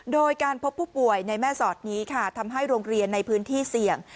โดยการพบผู้ป่วยในแม่สอดนี้ค่ะทำให้โรงเรียนในพื้นที่เสี่ยง